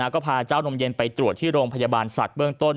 ก็พาเจ้านมเย็นไปตรวจที่โรงพยาบาลสัตว์เบื้องต้น